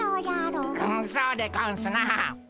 うんそうでゴンスな。